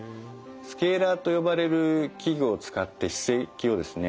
スケーラーと呼ばれる器具を使って歯石をですね